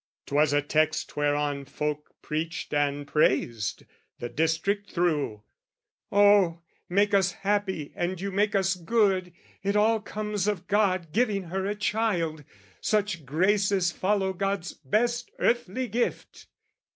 'Twas a text Whereon folk preached and praised, the district through: "Oh, make us happy and you make us good! "It all comes of God giving her a child: "Such graces follow God's best earthly gift!"